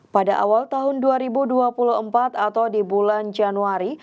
pada awal tahun dua ribu dua puluh empat atau di bulan januari